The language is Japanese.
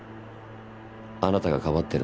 あなたがかばってるのは。